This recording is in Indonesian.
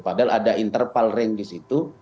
padahal ada interval range di situ